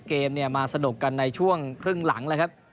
เกมมาสนบกันในช่วงครึ่งหลัง